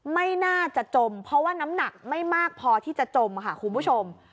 ไม่น่าจะจมเพราะว่าน้ำหนักไม่มากพอที่จะจมค่ะคุณผู้ชม